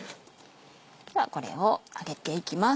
ではこれを上げていきます。